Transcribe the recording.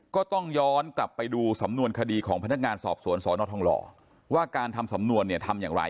ก็ต้องย้อนกลับไปดูสำนวนคดีของพนักงานสอบสวนสนทองหล่อว่าการทำสำนวนเนี่ยทำอย่างไร